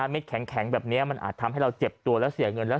เด็ดแข็งแบบนี้มันอาจทำให้เราเจ็บตัวแล้วเสียเงินแล้ว